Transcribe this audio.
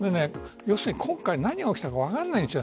要するに今回、何が起きたか分からないんです。